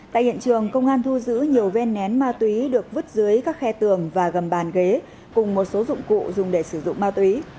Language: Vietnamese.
tại hiện trường công an thu giữ nhiều viên nén ma túy được vứt dưới các khe tường và gầm bàn ghế cùng một số dụng cụ dùng để sử dụng ma túy